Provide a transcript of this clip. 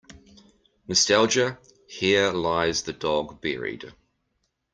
Nostalgia Here lies the dog buried.